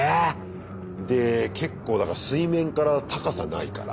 で結構だから水面から高さないから。